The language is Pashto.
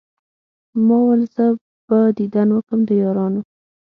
ما ول زه به ديدن وکم د يارانو